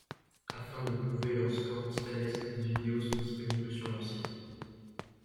Afin de prouver leurs scores titanesques, des vidéos sont disponibles sur leur site.